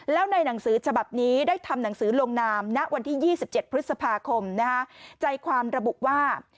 แล้วในหนังสือฉบับนี้ได้ทำหนังสือลงนามณวันที่๒๗พฤษภาคมใจความระบุว่า